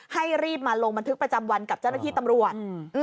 ให้รีบมาลงบันทึกประจำวันกับเจ้าหน้าที่ตำรวจ